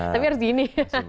tapi harus begini